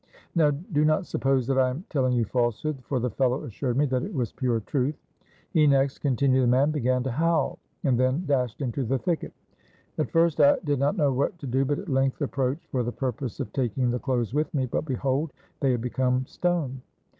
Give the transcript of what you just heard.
Now do not suppose that I am telling you falsehood, for the fellow assured me that it was pure truth. 'He next,' continued the man, 'began to howl, and then dashed into the thicket. At first I did not know what to do, but at length approached for the purpose of taking the clothes with me, but behold! they had become stone.